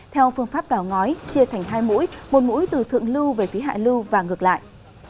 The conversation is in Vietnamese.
theo phương pháp đào ngói chia thành hai mũi một mũi từ thượng lưu về phía hạ lưu và ngược lại